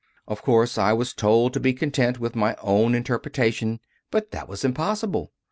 Of course I was told to be content with my own interpretation; but that was impossible.